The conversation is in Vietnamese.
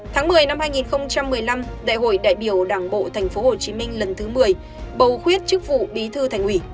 tháng một mươi năm hai nghìn một mươi năm đại hội đại biểu đảng bộ tp hcm lần thứ một mươi bầu khuyết chức vụ bí thư thành ủy